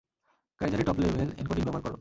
কাইযারের top level encoding ব্যবহার করো।